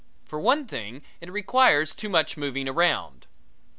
For one thing, it requires too much moving round.